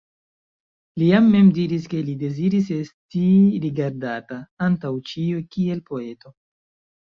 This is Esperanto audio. Li ja mem diris ke li deziris esti rigardata, antaŭ ĉio, kiel poeto.